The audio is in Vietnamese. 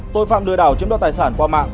tội phạm lừa đảo chiếm đoạt tài sản qua mạng